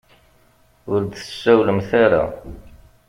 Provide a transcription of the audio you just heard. Ur d-tsawlemt ara.